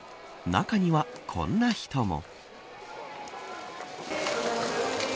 中には、こんな人も。